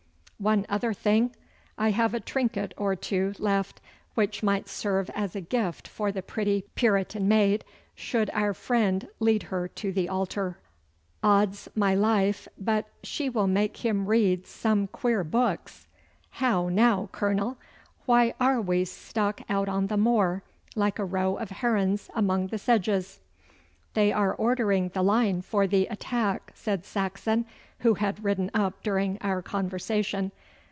One other thing! I have a trinket or two left which might serve as a gift for the pretty Puritan maid, should our friend lead her to the altar. Od's my life, but she will make him read some queer books! How now, Colonel, why are we stuck out on the moor like a row of herons among the sedges?' 'They are ordering the line for the attack,' said Saxon, who had ridden up during our conversation.